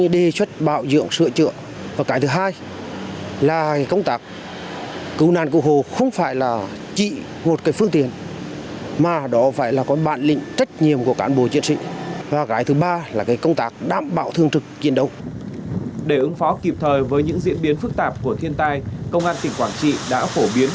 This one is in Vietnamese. để ứng phó kịp thời với những diễn biến phức tạp của thiên tai công an tỉnh quảng trị đã phổ biến